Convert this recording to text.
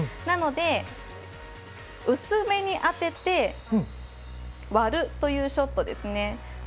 なので、薄めに当てて割るというショットですね。